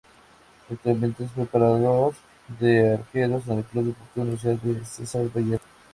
Actualmente es preparador de arqueros en el Club Deportivo Universidad Cesar Vallejo.